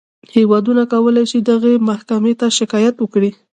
هېوادونه کولی شي دغې محکمې ته شکایت وکړي.